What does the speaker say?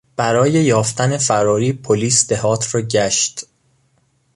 برای یافتن فراری پلیس دهات را گشت.